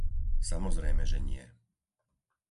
Samozrejme, že nie.